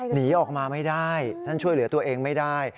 หนีออกมาไม่ได้ท่านช่วยเหลือตัวเองไม่ได้